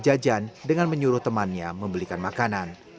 jajanya enggak berhenti berhenti pak